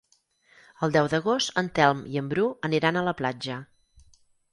El deu d'agost en Telm i en Bru aniran a la platja.